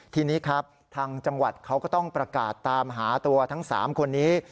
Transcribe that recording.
ทีนี้ครับทางจังหวัดเขาก็ต้องประกาศตามหาตัวทั้ง๓คนนี้